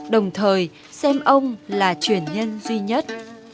đồng thời xem ông là chuyển nhân duy nhất